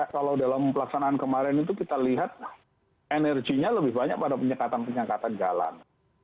kalau dalam pelaksanaan kemarin itu kita lihat energinya lebih banyak pada penyekatan penyekatan jalan